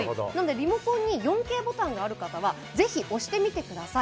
リモコンに４Ｋボタンがある方はぜひ押してみてください。